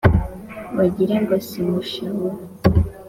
bagira ngo simushahura